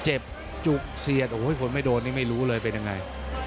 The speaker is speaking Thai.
จุกเสียดโอ้โหคนไม่โดนนี่ไม่รู้เลยเป็นยังไง